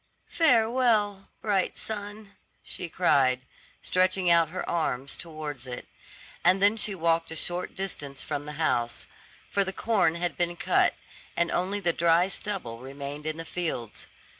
"Farewell bright sun," she cried, stretching out her arm towards it; and then she walked a short distance from the house; for the corn had been cut, and only the dry stubble remained in the fields.